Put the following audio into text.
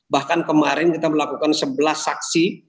bahkan kemarin kita melakukan sebelas saksi